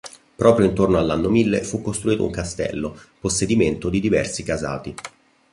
Proprio intorno all'anno mille fu costruito un castello, possedimento di diversi casati.